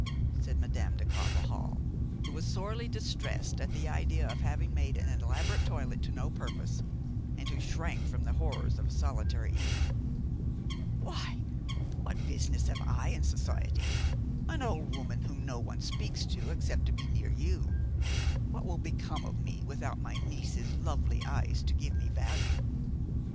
said Madame de Carvajal, who was sorely distressed at the idea of having made an elaborate toilet to no purpose, and who shrank from the horrors of a solitary evening. "Why, what business have I in society, an old woman whom no one speaks to except to be near you? What will become of me without my niece's lovely eyes to give me value?"